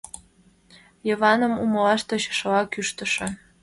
Йываным умылаш тӧчышыла кӱтыштӧ.